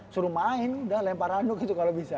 suruh main udah lempar anduk gitu kalau bisa